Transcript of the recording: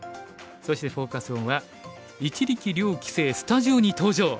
そしてフォーカス・オンは「一力遼棋聖スタジオに登場！